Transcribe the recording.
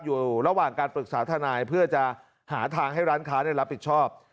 อยู่ระหว่างการปรึกษาทนายเพื่อจะหาทางให้ร้านค้าได้รับผิดชอบ